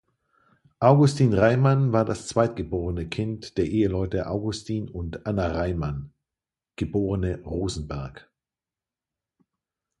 Augustin Reimann war das zweitgeborene Kind der Eheleute Augustin und Anna Reimann (geborene Rosenberg).